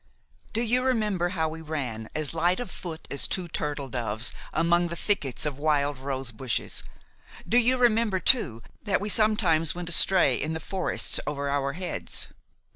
"Do you remember how we ran, as light of foot as two turtle doves, among the thickets of wild rose bushes? Do you remember, too, that we sometimes went astray in the forests over our heads?